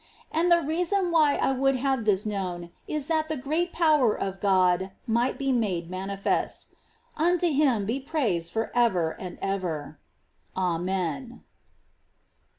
And the reason why I would have this kno^vn is that the great power of God might be made manifest. Unto Him be praise for ever and ever ! Amen.